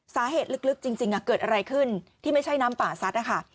สาเหตุลึกจริงเกิดอะไรขึ้นที่ไม่ใช่น้ำป่าซัดนะคะ